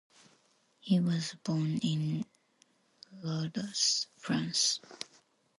He was born in Lourdes, France.